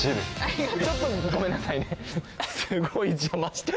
ちょっとごめんなさいね。